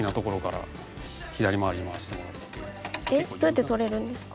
どうやって取れるんですか？